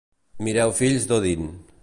Mireu Fills d'Odin.